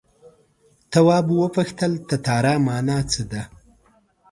تواب وپوښتل تتارا مانا څه ده.